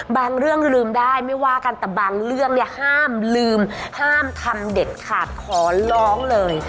เรื่องลืมได้ไม่ว่ากันแต่บางเรื่องเนี่ยห้ามลืมห้ามทำเด็ดขาดขอร้องเลย